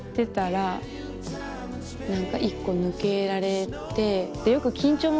１個抜けられて。